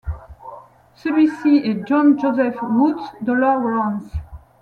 Celui-ci est John Joseph Woods, de Lawrence.